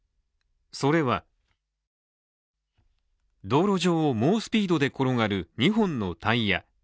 それは道路上を猛スピードで転がる２本のタイヤ。